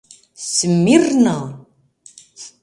— Смирно!..